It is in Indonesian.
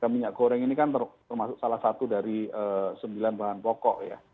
minyak goreng ini kan termasuk salah satu dari sembilan bahan pokok ya